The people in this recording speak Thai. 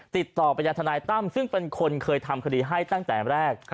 ติดต่อไปยังทนายตั้มซึ่งเป็นคนเคยทำคดีให้ตั้งแต่แรก